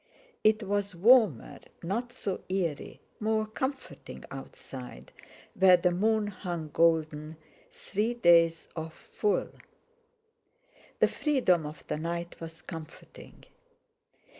It was warmer, not so eerie, more comforting outside, where the moon hung golden, three days off full; the freedom of the night was comforting.